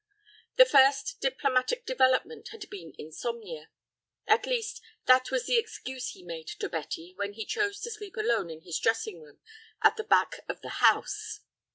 The first diplomatic development had been insomnia; at least that was the excuse he made to Betty when he chose to sleep alone in his dressing room at the back of the house.